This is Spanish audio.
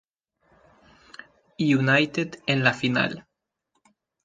United en la final.